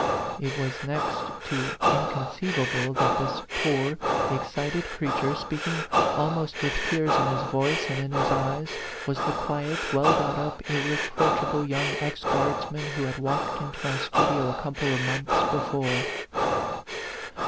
It was next to incon ceivable that this poor, excited creature, 110 A PHANTOM LOVER speaking almost with tears in his voice and in his eyes, was the quiet, well got up, irre proachable young ex guardsman who had walked into my studio a couple of months before.